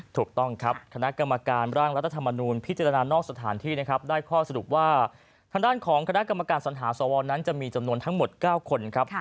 ถูกต้องครับคณะกรรมการร่างรัฐธรรมนูลพิจารณานอกสถานที่นะครับได้ข้อสรุปว่าทางด้านของคณะกรรมการสัญหาสวนั้นจะมีจำนวนทั้งหมด๙คนครับ